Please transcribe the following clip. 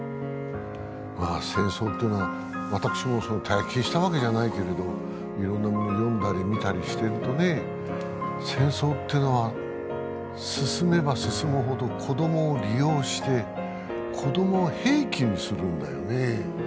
まあ戦争というのは私もその体験したわけじゃないけれど色んなもの読んだり見たりしてるとね戦争っていうのは進めば進むほど子どもを利用して子どもを兵器にするんだよねうん